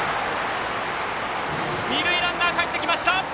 二塁ランナーかえってきました。